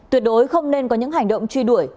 tuyệt đối không nên có những hành động truy đuổi